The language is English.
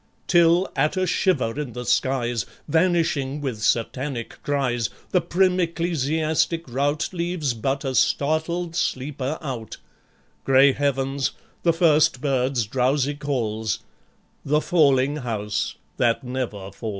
. Till, at a shiver in the skies, Vanishing with Satanic cries, The prim ecclesiastic rout Leaves but a startled sleeper out, Grey heavens, the first bird's drowsy calls, The falling house that never falls.